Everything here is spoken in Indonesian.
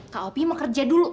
kak opi mau kerja dulu